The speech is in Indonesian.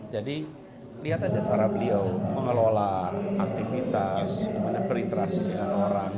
jadi lihat aja cara beliau mengelola aktivitas berinteraksi dengan orang